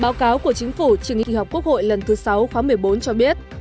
báo cáo của chính phủ chương trình kỳ họp quốc hội lần thứ sáu khóa một mươi bốn cho biết